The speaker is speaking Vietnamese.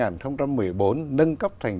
nâng cấp thành